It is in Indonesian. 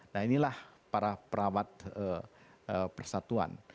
nah inilah para perawat persatuan